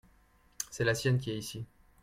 c'est la sienne qui est ici.